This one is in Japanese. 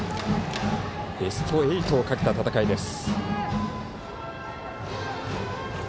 ベスト８をかけた戦いです。